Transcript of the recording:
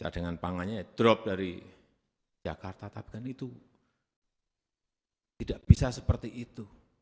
cadangan pangannya ya drop dari jakarta tapi kan itu tidak bisa seperti itu